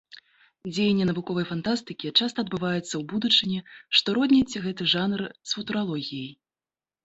Дзеянне навуковай фантастыкі часта адбываецца ў будучыні, што родніць гэты жанр з футуралогіяй.